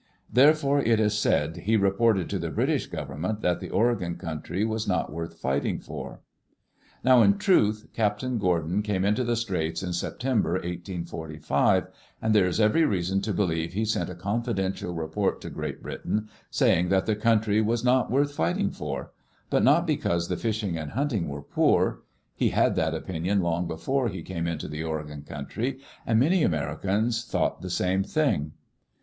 '* Therefore, it is said, he reported to the British government that the Oregon country was not worth fighting for. i Now, in truth. Captain Gordon came into the Straits in September, 1845, ^^d there is every reason to believe he sent a confidential report to Great Britain saying that the country was not worth fighting for; but not because the fishing and hunting were poor. He had that opinion long before he came into the Oregon country. And many Americans thought the same thing.